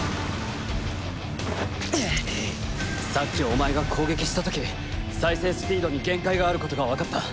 さっきお前が攻撃したとき再生スピードに限界があることがわかった。